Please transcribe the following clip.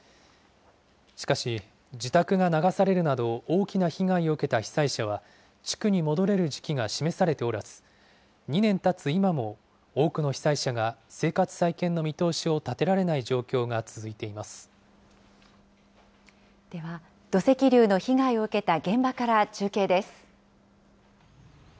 しかし、自宅が流されるなど、大きな被害を受けた被災者は、地区に戻れる時期が示されておらず、２年たつ今も多くの被災者が生活再建の見通しを立てられない状況では、土石流の被害を受けた現場から中継です。